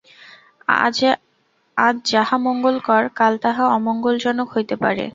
আজ যাহা মঙ্গলকর, কাল তাহা অমঙ্গলজনক হইতে পারে।